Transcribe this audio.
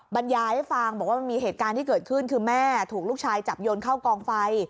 บรรยายให้ฟังบอกว่ามันมีเหตุการณ์ที่เกิดขึ้นคือแม่ถูกลูกชายจับโยนเข้ากองไฟ